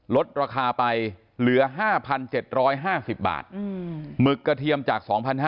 ลดราคาไปเหลือ๕๗๕๐บาทหมึกกระเทียมจาก๒๕๐